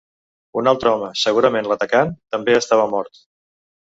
Un altre home, segurament l’atacant, també estava mort.